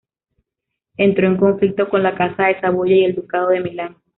Entró en conflicto con la casa de Saboya y el ducado de Milán.